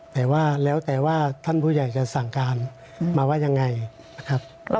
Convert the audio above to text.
แต่ว่าแล้วแต่ว่าท่านผู้ใหญ่จะสั่งการมาว่ายังไงนะครับ